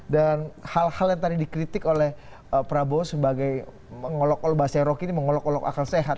dan hal hal yang tadi dikritik oleh prabowo sebagai mengolok olok bahasa eropa ini mengolok olok akal sehat